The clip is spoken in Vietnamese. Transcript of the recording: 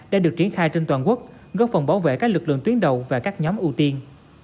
đã được triển khai trên toàn quốc góp phần bảo vệ các lực lượng tuyến đầu và các nhóm ưu tiên